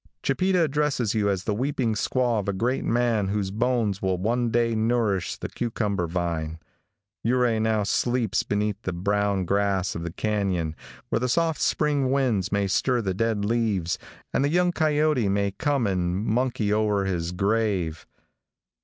Chipeta addresses you as the weeping squaw of a great man whose bones will one day nourish the cucumber vine. Ouray now sleeps beneath the brown grass of the canyon, where the soft spring winds may stir the dead leaves, and the young coyote may come and monkey o'er his grave.